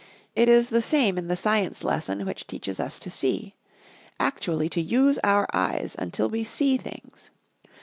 It is the same in the science lesson which teaches us to see; actually to use our eyes until we see things.